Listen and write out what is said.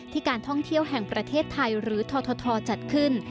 การท่องเที่ยวแห่งประเทศไทยหรือททจัดขึ้น